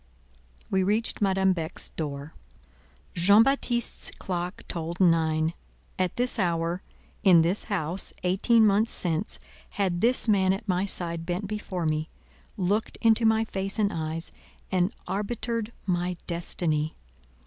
We reached Madame Beck's door. Jean Baptiste's clock tolled nine. At this hour, in this house, eighteen months since, had this man at my side bent before me, looked into my face and eyes, and arbitered my destiny.